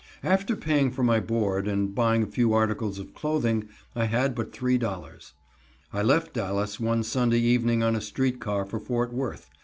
After paying for my board and buying a few articles of clothing, I had but $3.00. I left Dallas one Sunday evening on a street car for Fort Worth.